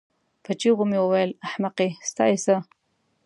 په چيغو مې وویل: احمقې ستا یې څه؟